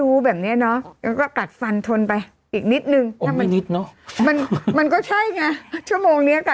อืมมันไม่ได้มันยังพอมีทางหวังอ่ะอืมอ่ะ